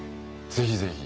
ぜひぜひ。